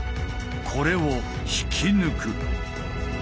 これを引き抜く。